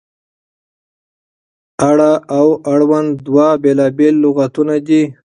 اړه او اړوند دوه بېلابېل لغتونه دي.